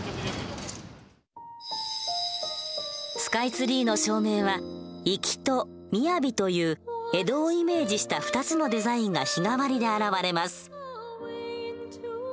スカイツリーの照明は「粋」と「雅」という江戸をイメージした２つのデザインが日替わりで現れます。